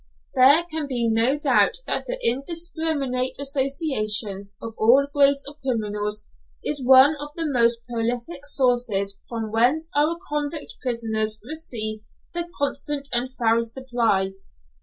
There can be no doubt that the indiscriminate association of all grades of criminals is one of the most prolific sources from whence our convict prisons receive their constant and foul supply.